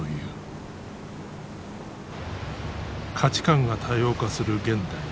価値観が多様化する現代。